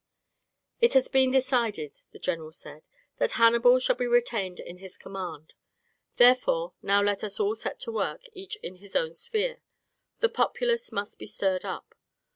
"It has been decided," the general said, "that Hannibal shall be retained in his command. Therefore, now let all set to work, each in his own sphere. The populace must be stirred up.